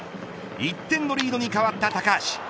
１点のリードに変わった高橋。